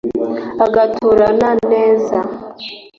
agaturana neza